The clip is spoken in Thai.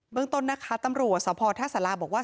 เมืองต้นนะคะตำรวจสภท่าสาราบอกว่า